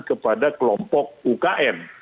kepada kelompok ukm